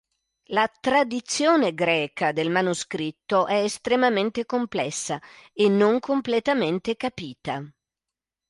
La "tradizione" greca del manoscritto è estremamente complessa e non completamente capita.